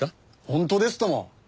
本当ですとも！